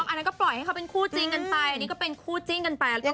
อันนั้นก็ปล่อยให้เขาเป็นคู่จริงกันไปอันนี้ก็เป็นคู่จิ้นกันไป